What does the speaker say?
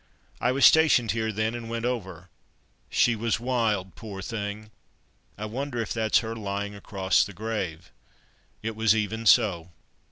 I was stationed here then and went over. She was wild, poor thing! I wonder if that's her lying across the grave." It was even so.